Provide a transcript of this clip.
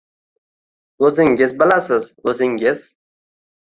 — O’zingiz bilasiz, o’zingiz.